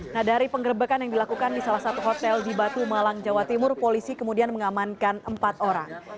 nah dari penggerbekan yang dilakukan di salah satu hotel di batu malang jawa timur polisi kemudian mengamankan empat orang